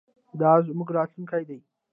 دا زموږ راتلونکی دی.